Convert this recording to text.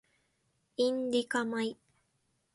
インディカ米